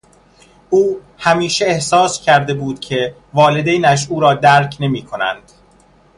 او همیشه احساس کرده بود که والدینش او را درک نمیکنند.